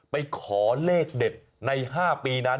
ไปขอเลขเด็ดใน๕ปีนั้น